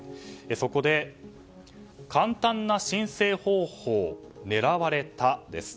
そこで、簡単な申請方法狙われた？です。